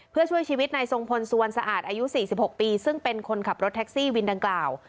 เพื่อช่วยชีวิตในทรงพลสุวรรณสะอาดอายุ๔๖ปีซึ่งเป็นคนขับรถแท็กซี่วินดังกล่าว